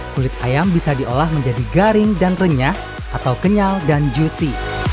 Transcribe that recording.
kulit ayam bisa diolah menjadi garing dan renyah atau kenyal dan juicy